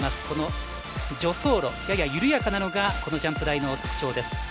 この助走路、やや緩やかなのがこのジャンプ台の特徴です。